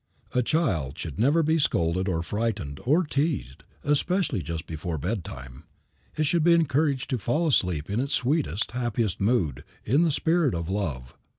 A child should never be scolded or frightened, or teased, especially just before bedtime. It should be encouraged to fall asleep in its sweetest, happiest mood, in the spirit of love.